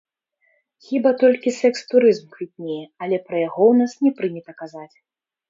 Хіба толькі сэкс-турызм квітнее, але пра яго ў нас не прынята казаць.